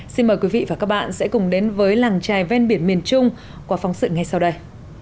xin mời quý vị và các bạn sẽ cùng đến với làng trài ven biển miền trung qua phóng sự ngay sau đây